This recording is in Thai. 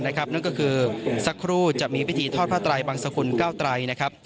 นั่นก็คือสักครู่จะมีปฏิเสธเทาะภ่าไตรบางสคุณ๙ไตรนะครับ